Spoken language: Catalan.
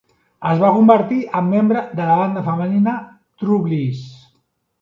Es va convertir en membre de la banda femenina TrueBliss.